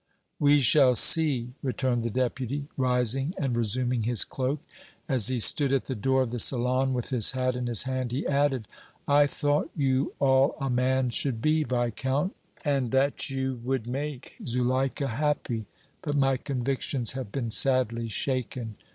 "We shall see," returned the Deputy, rising and resuming his cloak; as he stood at the door of the salon with his hat in his hand, he added: "I thought you all a man should be, Viscount, and that you would make Zuleika happy, but my convictions have been sadly shaken.